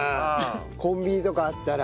コンビニとかにあったら。